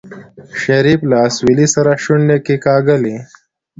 شريف له اسويلي سره شونډې کېکاږلې.